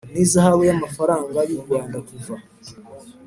N ihazabu y amafaranga y u rwanda kuva